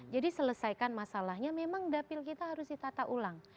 jadi selesaikan masalahnya memang dapil kita harus ditata ulang